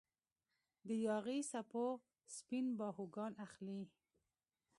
د یاغي څپو سپین باهوګان اخلي